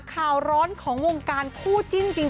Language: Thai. ข่าวร้อนของวงการคู่จิ้นจริง